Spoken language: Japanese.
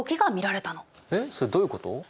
えっそれどういうこと？